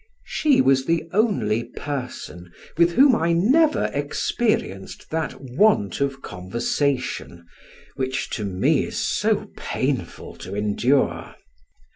She was the only person with whom I never experienced that want of conversation, which to me is so painful to endure.